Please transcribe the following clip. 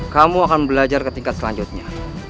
kamu akan belajar ke tingkat selanjutnya